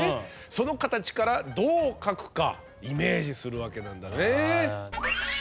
その形からどう描くかイメージするわけなんだね。